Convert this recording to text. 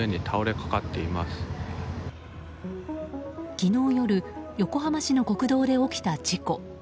昨日夜横浜市の国道で起きた事故。